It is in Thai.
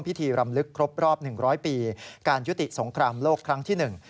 พิธีรำลึกครบรอบ๑๐๐ปีการยุติสงครามโลกครั้งที่หนึ่ง